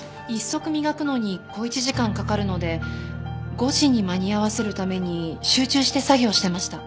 １足磨くのに小一時間かかるので５時に間に合わせるために集中して作業してました。